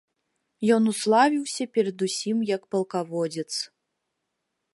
Ён уславіўся перадусім як палкаводзец.